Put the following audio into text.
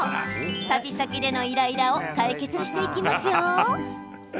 旅先でのイライラを解決していきますよ。